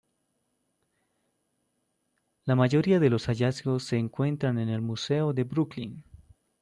La mayoría de los hallazgos se encuentran en el Museo de Brooklyn.